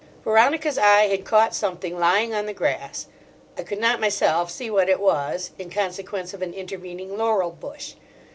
Veronica's eye had caught something lying on the grass. I could not myself see what it was, in consequence of an intervening laurel bush.